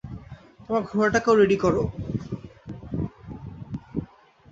তোমার ঘোড়াটাকেও রেডি করো।